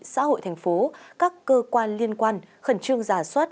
xã hội thành phố các cơ quan liên quan khẩn trương giả soát